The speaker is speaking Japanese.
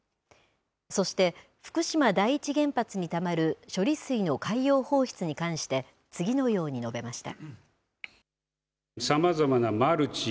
そして、福島第一原発にたまる処理水の海洋放出に関して、次のように述べました。